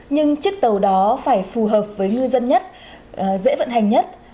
nhưng chiếc tàu đó phải phù hợp với ngư dân nhất dễ vận hành nhất